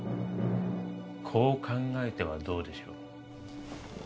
こう考えてはどうでしょう？